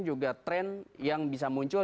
juga tren yang bisa muncul